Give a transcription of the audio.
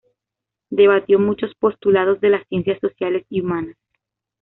Debatió muchos postulados de las ciencias sociales y humanas.